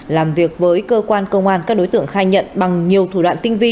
làm việc với cơ quan công an các đối tượng khai nhận bằng nhiều thủ đoạn tinh vi